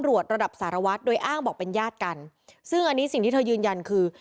ระดับสารวัตรโดยอ้างบอกเป็นญาติกันซึ่งอันนี้สิ่งที่เธอยืนยันคือ